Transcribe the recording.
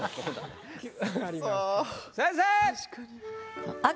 先生！